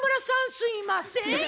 「すいません」